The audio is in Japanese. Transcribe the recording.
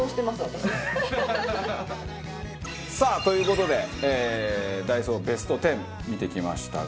さあという事でダイソーベスト１０見てきましたが